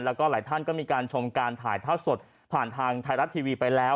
แล้วก็หลายท่านก็มีการชมการถ่ายทอดสดผ่านทางไทยรัฐทีวีไปแล้ว